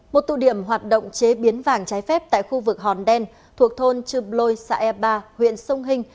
một tù điểm hoạt động chế biến vàng trái phép tại khu vực hòn đen thuộc thôn trưm lôi xã e ba huyện sông hinh